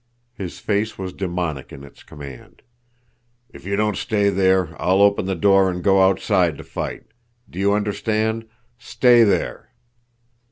His face was demoniac in its command. "If you don't stay there, I'll open the door and go outside to fight! Do you understand? _Stay there!